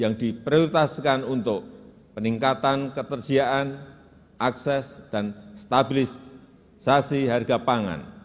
yang diprioritaskan untuk peningkatan ketersediaan akses dan stabilisasi harga pangan